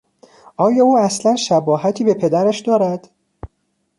آیا او اصلا شباهتی به پدرش دارد؟